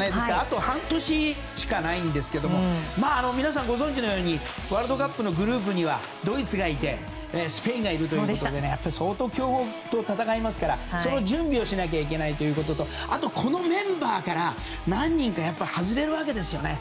あと半年しかないんですけど皆さん、ご存じのようにワールドカップのグループにはドイツがいてスペインがいるということで相当、強豪と戦いますからその準備をしなければいけないということとあと、このメンバーから何人か外れるわけですね。